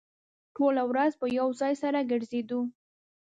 ټوله ورځ به يو ځای سره ګرځېدو.